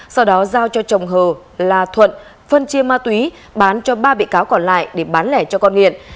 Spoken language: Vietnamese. sau đó giao cho chồng hờ là thuận phân chia ma túy bán cho ba bị cáo còn lại để bán lẻ cho con nghiện